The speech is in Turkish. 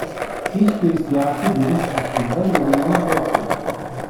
Hiçbir siyasi durum hakkında yorumumuz yoktur.